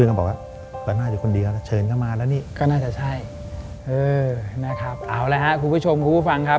ถูกพูดมันแหละแหละ